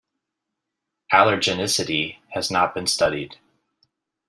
Allergenicity has not been studied.